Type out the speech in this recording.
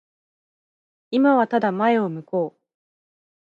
今はただ前を向こう。